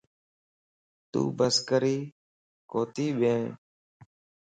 تو بسڪري ڪوتي ٻين؟